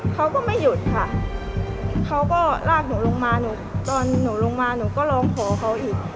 เขาก็ไม่หยุดค่ะเขาก็ลากหนูลงมาหนูตอนหนูลงมาหนูก็ร้องขอเขาอีก